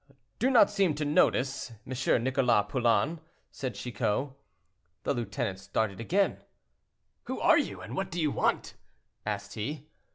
"Do not seem to notice, M. Nicholas Poulain," said Chicot. The lieutenant started again. "Who are you, and what do you want?" asked he.